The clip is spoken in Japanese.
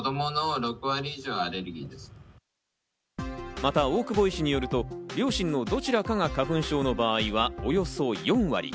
また大久保医師によると、両親のどちらかが花粉症の場合はおよそ４割。